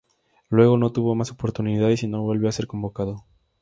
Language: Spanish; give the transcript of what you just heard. Luego no tuvo más oportunidades y no volvió a ser convocado.